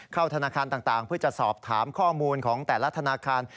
เข้าธนาคารต่างเพื่อจะสอบถามข้อมูลของแต่ละธนาคาร